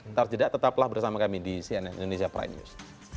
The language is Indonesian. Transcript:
ntar jeda tetaplah bersama kami di cnn indonesia prime news